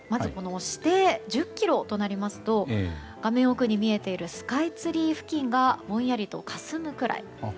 視程が１０ｋｍとなりますと画面奥に見えているスカイツリー付近がぼんやりとかすむぐらい。